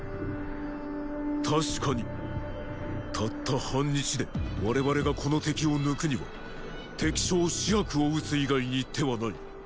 たしかにたった半日で我々がこの敵を抜くには敵将紫伯を討つ以外に手はない。